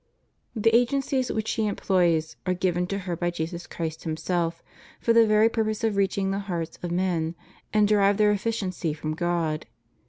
The agencies which she employs are given to her by Jesus Christ Himself for the very purpose of reaching the hearts of men, and derive their efficiency from God.